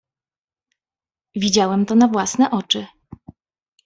"Widziałem to na własne oczy."